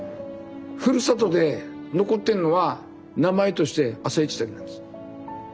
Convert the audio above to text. ふるさとで残ってんのは名前として朝市だけなんです。